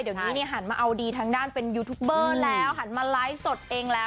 เดี๋ยวนี้หันมาเอาดีทางด้านเป็นยูทูปเบอร์แล้วหันมาไลฟ์สดเองแล้ว